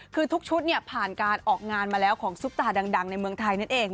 คือทุกชุดผ่านการออกงานมาแล้วของซุปตาดังในเมืองไทยนั่นเอง